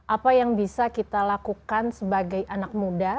apa yang bisa kita lakukan sebagai anak muda